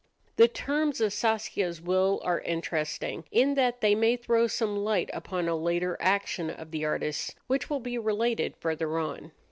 The terms of Saskia's will are interesting, in that they may throw some light upon a later action of the artist's, which will be related further on.